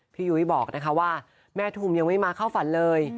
ยุ้ยบอกนะคะว่าแม่ทุมยังไม่มาเข้าฝันเลย